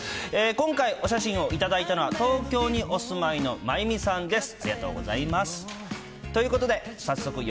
今回、お写真を頂いたのは、東京にお住いのまゆみさんです。